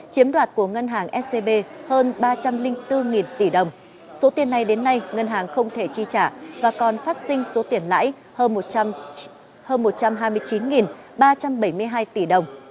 chiếm đoạt của ngân hàng scb hơn ba trăm linh